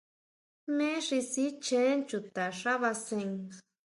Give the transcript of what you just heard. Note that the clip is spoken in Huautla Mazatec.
¿Jme xi sichjén chuta xá basén?